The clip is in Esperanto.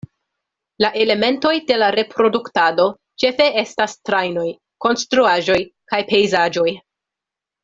La elementoj de la reproduktado ĉefe estas trajnoj, konstruaĵoj kaj pejzaĝoj.